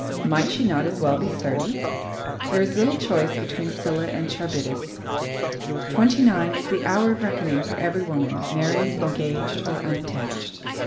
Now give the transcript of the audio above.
Might she not as well be thirty? There is little choice between Scylla and Charybdis. Twenty nine is the hour of reckoning for every woman, married, engaged, or unattached.